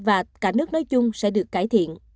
và cả nước nói chung sẽ được cải thiện